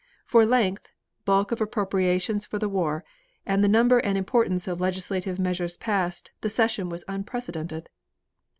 For length, bulk of appropriations for the war and the number and importance of legislative measures passed, the session was unprecedented.